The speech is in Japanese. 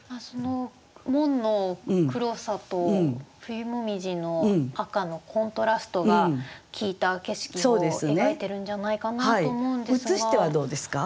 門の黒さと冬紅葉の赤のコントラストが効いた景色を描いてるんじゃないかなと思うんですが。